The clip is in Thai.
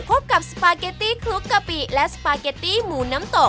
พบกับสปาเกตตี้คลุกกะปิและสปาเกตตี้หมูน้ำตก